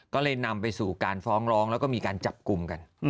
ก็เลยนำไปสู่การฟ้องร้องแล้วก็มีการจับกลุ่มกัน